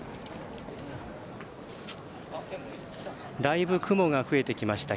だいぶ、雲が増えてきました。